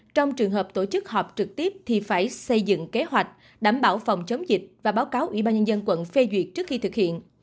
trong trường hợp tổ chức họp trực tiếp thì phải xây dựng kế hoạch đảm bảo phòng chống dịch và báo cáo ủy ban nhân dân quận phê duyệt trước khi thực hiện